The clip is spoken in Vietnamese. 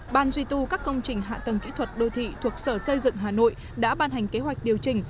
ban duy tu các công trình hạ tầng kỹ thuật đô thị thuộc sở xây dựng hà nội đã ban hành kế hoạch điều chỉnh